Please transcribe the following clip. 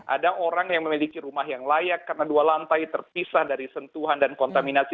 ada orang yang memiliki rumah yang layak karena dua lantai terpisah dari sentuhan dan kontaminasi